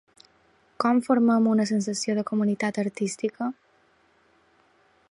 Com formem una sensació de comunitat artística?